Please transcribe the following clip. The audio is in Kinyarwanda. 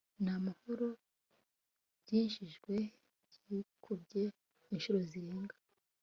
n amahoro byinjijwe byikubye inshuro zirenga